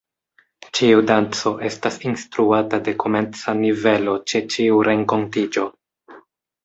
Ĉiu danco estas instruata de komenca nivelo ĉe ĉiu renkontiĝo.